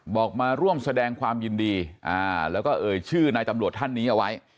มาร่วมแสดงความยินดีแล้วก็เอ่ยชื่อนายตำรวจท่านนี้เอาไว้